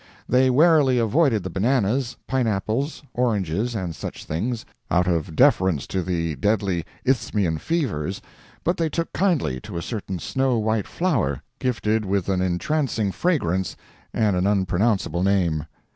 They warily avoided the bananas, pineapples, oranges, and such things, out of deference to the deadly Isthmian fevers, but they took kindly to a certain snow white flower, gifted with an entrancing fragrance and an unpronounceable name.